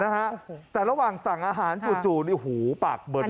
นะฮะแต่ระหว่างสั่งอาหารจู่จู่นี่หูปากเบิด